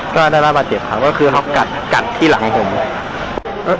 ก็ได้รับบาดเจ็บครับก็คือเขากัดกัดที่หลังผม